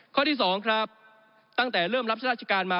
ข้อที่๒ครับตั้งแต่เริ่มรับราชการมา